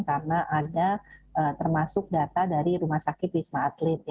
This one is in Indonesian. karena ada termasuk data dari rumah sakit wisma atlet